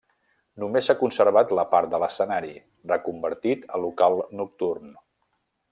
Només s'ha conservat la part de l'escenari, reconvertit a local nocturn.